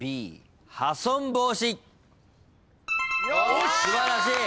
よし！